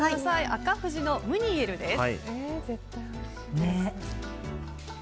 紅富士のムニエルです。